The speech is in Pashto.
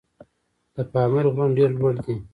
د پامیر غرونه ډېر لوړ دي.